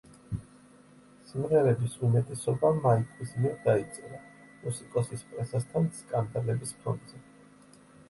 სიმღერების უმეტესობა მაიკლის მიერ დაიწერა, მუსიკოსის პრესასთან სკანდალების ფონზე.